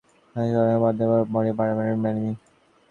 তার অভিযোগ, পুরো ছবিতে সবাইকে মারলেও কেন শেষে শাকিব খানকে মারতে পারিনি।